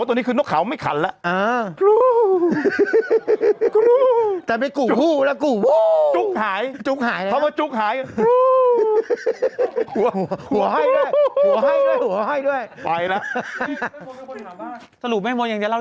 ตอนนี้คือนกเขาไม่ขันแล้ว